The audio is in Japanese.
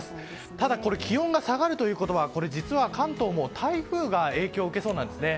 ただ、気温が下がるということは実は関東も台風の影響を受けそうなんですね。